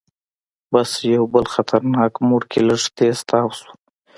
بس یو بل خطرناک موړ کې لږ تیز تاو شو.